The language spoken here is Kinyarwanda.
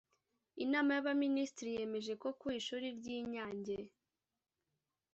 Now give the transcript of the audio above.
Inama y’Abaminisitiri yemeje ko ku Ishuri ry’i Nyange